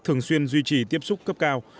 thường xuyên duy trì tiếp xúc cấp cao